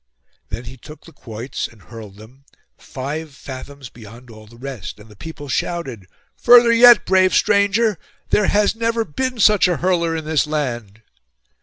Then he took the quoits, and hurled them, five fathoms beyond all the rest; and the people shouted, 'Further yet, brave stranger! There has never been such a hurler in this land.